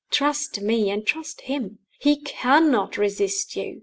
Trust me, and trust him! He cannot resist you.